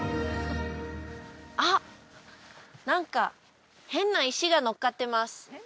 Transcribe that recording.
あっ何か変な石がのっかってます